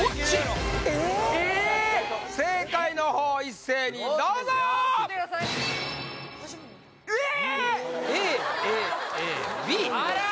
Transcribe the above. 正解のほう一斉にどうぞ！え！？